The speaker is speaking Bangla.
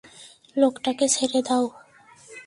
লোকটাকে ছেড়ে দাও!